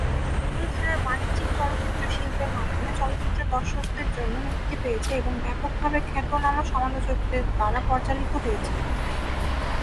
যেগুলো মূলধারার বাণিজ্যিক চলচ্চিত্র শিল্পের মাধ্যমে চলচ্চিত্র দর্শকদের জন্যে মুক্তি পেয়েছে এবং ব্যাপকভাবে খ্যাতনামা সমালোচকদের দ্বারা পর্যালোচিত হয়েছে।